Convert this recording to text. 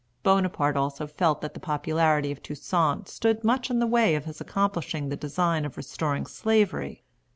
Bonaparte also felt that the popularity of Toussaint stood much in the way of his accomplishing the design of restoring Slavery.